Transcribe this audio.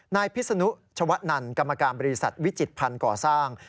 นายพิศนุชวนันกรรมการบริษัทวิจิตภัณฑ์ก่อสร้าง